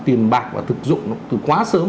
tiền bạc và thực dụng từ quá sớm